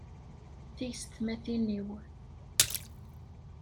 Tiyessetmatin-iw